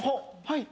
はい。